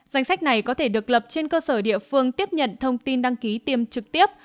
danh sách này có thể được lập trên cơ sở địa phương tiếp nhận thông tin đăng ký tiêm trực tiếp